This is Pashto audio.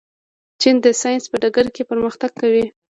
چین د ساینس په ډګر کې پرمختګ کوي.